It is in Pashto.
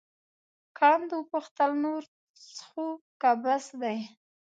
کانت وپوښتل نور څښو که بس دی.